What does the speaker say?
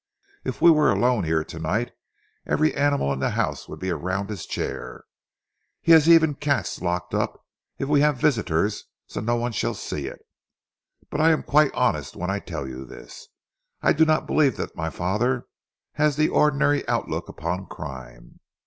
If we were alone here to night, every animal in the house would be around his chair. He has even the cats locked up if we have visitors, so that no one shall see it. But I am quite honest when I tell you this I do not believe that my father has the ordinary outlook upon crime.